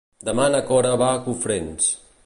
Demà na Nora va a Cofrents.